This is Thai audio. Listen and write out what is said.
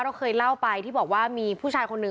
เราเคยเล่าไปที่บอกว่ามีผู้ชายคนหนึ่ง